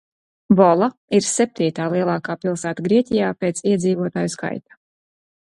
Vola ir septītā lielākā pilsēta Grieķijā pēc iedzīvotāju skaita.